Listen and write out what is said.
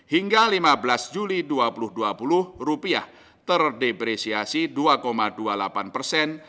hingga lima belas juli dua ribu dua puluh rupiah terdepresiasi dua dua puluh delapan persen